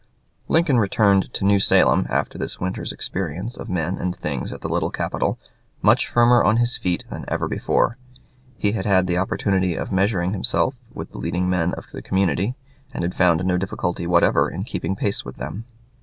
Lincoln returned to New Salem, after this winter's experience of men and things at the little capital, much firmer on his feet than ever before. He had had the opportunity of measuring himself with the leading men of the community, and had found no difficulty whatever in keeping pace with them.